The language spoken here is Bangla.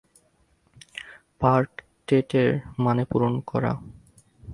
ফার্কটেটের মানে পূরণ করা।